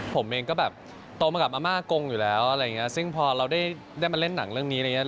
ผมเองก็แบบโตมากับอาม่ากงอยู่แล้วอะไรอย่างเงี้ยซึ่งพอเราได้มาเล่นหนังเรื่องนี้อะไรอย่างเง